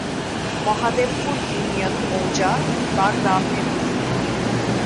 Mahadevpur union মৌজা/গ্রাম নিয়ে গঠিত।